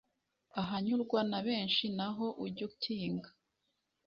ahanyurwa na benshi, naho ujye ukinga